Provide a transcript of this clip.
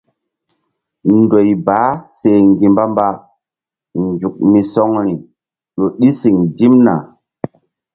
Ndoy baah seh ŋgi̧ mbambazuk misɔŋri ƴo ɗi siŋ dimna.